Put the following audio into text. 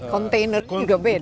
container juga beda